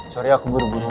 sorry aku baru baru rara